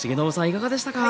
いかがでしたか？